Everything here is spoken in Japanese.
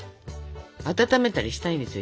温めたりしたいんですよ